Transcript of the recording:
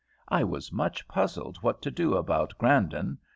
I was much puzzled what to do about Grandon.